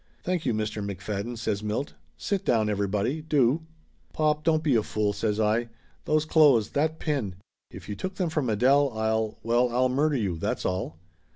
"Thank you, Mr. McFadden !" says Milt. "Sit down everybody, do !" "Pop, don't be a fool!" says I. "Those clothes that pin ! If you took them from Adele, I'll well, I'll murder you, that's all